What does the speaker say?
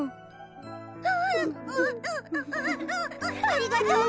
ありがとう！